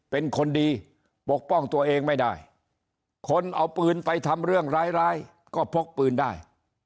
เป็นคนดีปกป้องตัวเองไม่ได้คนเอาปืนไปทำเรื่องร้ายก็พกปืนได้